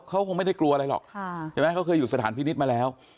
เขาคงไม่ได้กลัวอะไรหรอกใช่ไหมเขาเคยอยู่สถานพินิษฐ์มาแล้ว